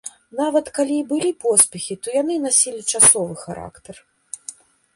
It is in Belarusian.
Нават калі і былі поспехі, то яны насілі часовы характар.